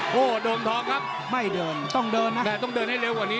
โอ้โหโดมทองครับไม่เดินต้องเดินนะแต่ต้องเดินให้เร็วกว่านี้